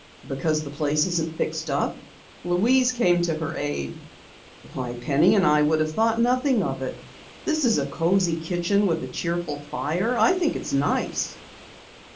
"Because the place isn't fixed up?" Louise came to her aid. "Why, Penny and I would have thought nothing of it. This is a cozy kitchen with a cheerful fire. I think it's nice."